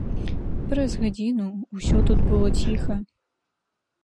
Праз гадзіну ўсё тут было ціха.